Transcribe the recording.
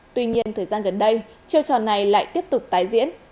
tuy nhiên thời gian gần đây chiêu trò này lại tiếp tục tái diễn